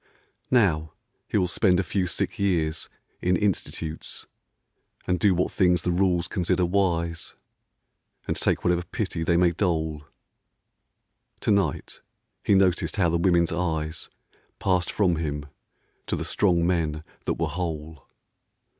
Now, he will spend a few sick years in institutes, And do what things the rules consider wise, And take whatever pity they may dole. To night he noticed how the women's eyes Passed from him to the strong men that were whole.